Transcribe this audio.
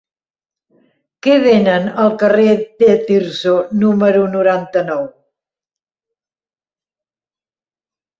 Què venen al carrer de Tirso número noranta-nou?